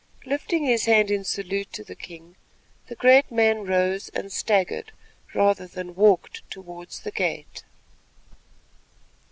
Lifting his hand in salute to the king, the great man rose and staggered rather than walked towards the gate.